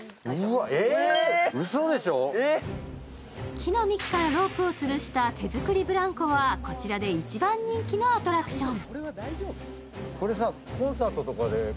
木の幹からロープをつるした手作りブランコはこちらで一番人気のアトラクション。